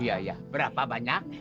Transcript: ya ya berapa banyak